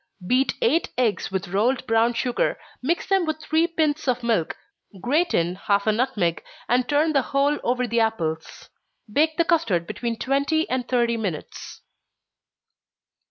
Beat eight eggs with rolled brown sugar mix them with three pints of milk, grate in half a nutmeg, and turn the whole over the apples. Bake the custard between twenty and thirty minutes.